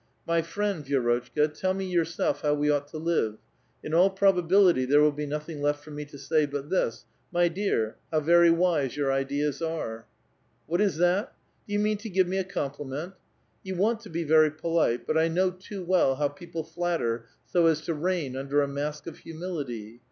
My friend, Vi6rotchka, tell me yourself how we ought to live ; in all probability, there will be nothing left for me to say but this, ' My dear \jin6ya milia]^ how very wise your ideas are !'"'^ What is that? Do you mean to give me a compliment? You want to be very polite ; but I know too well how people flatter so as to reign under a mask of humility.